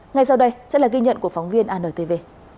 ngay sau đây sẽ là ghi nhận của phóng viên antv